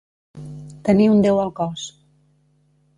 Tenir un déu al cos.